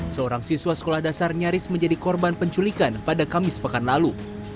seorang siswa sekolah dasar nyaris menjadi korban penculikan pada kamis pekan lalu